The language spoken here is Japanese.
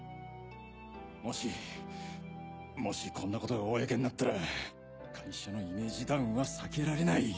もしもしこんなことが公になったら会社のイメージダウンは避けられない。